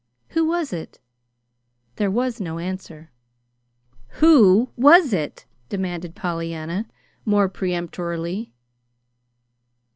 "Who was it?" There was no answer. "WHO WAS IT?" demanded Pollyanna, more peremptorily.